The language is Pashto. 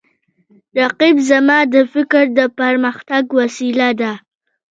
رقیب زما د فکر د پرمختګ وسیله ده